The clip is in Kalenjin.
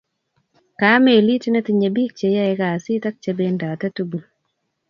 Kaa melit netinye bik che yaeeeei kasii and chependate tugul